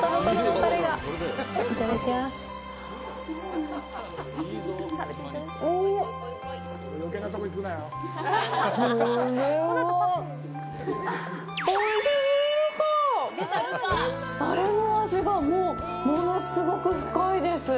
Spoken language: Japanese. タレの味が、もう、物すごく深いです。